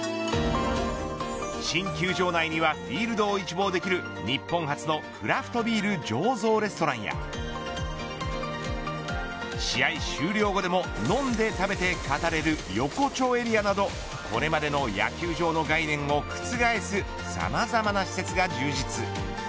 新球場内にはフィールドを一望できる日本初のクラフトビール醸造レストランや試合終了後でも飲んで食べて語れる横丁エリアなどこれまでの野球場の概念を覆すさまざまな施設が充実。